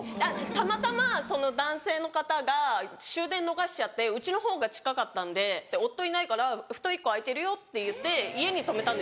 たまたまその男性の方が終電逃しちゃってうちの方が近かったんで夫いないから布団１個空いてるよって言って家に泊めたんですよ。